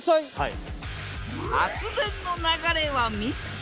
発電の流れは３つ。